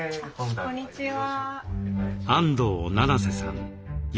こんにちは。